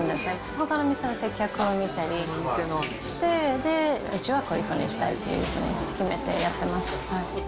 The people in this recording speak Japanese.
ほかの店の接客を見たりして、で、うちはこういうふうにしたいというふうに決めてやってます。